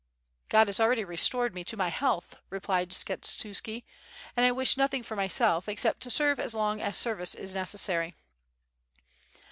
"God has already restored me my health," replied Skshe tuski, "and I wish nothing for myself except to serve as long as serv^ice is necessary."